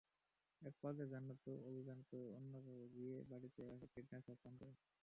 একপর্যায়ে জান্নাতুন অভিমান করে অন্য ঘরে গিয়ে বাড়িতে রাখা কীটনাশক পান করে।